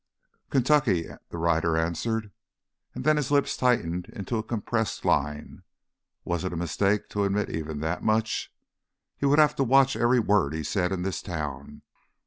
"Kentucky," the rider answered, and then his lips tightened into a compressed line. Was it a mistake to admit even that much? He would have to watch every word he said in this town.